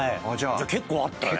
じゃあ結構あったね。